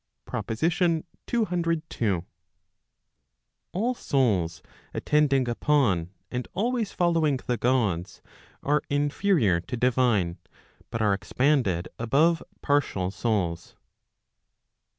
PROPOSITION CCII. All souls attending upon, and always following the Gods, are inferior to divine, but are expanded above partial souls.